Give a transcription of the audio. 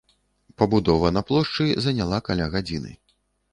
Пабудова на плошчы заняла каля гадзіны.